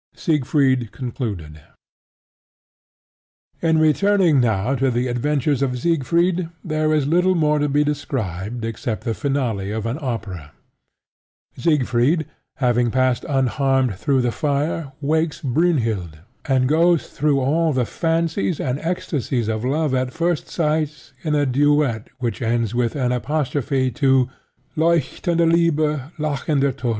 SIEGFRIED CONCLUDED In returning now to the adventures of Siegfried there is little more to be described except the finale of an opera. Siegfried, having passed unharmed through the fire, wakes Brynhild and goes through all the fancies and ecstasies of love at first sight in a duet which ends with an apostrophe to "leuchtende Liebe, lachender Tod!"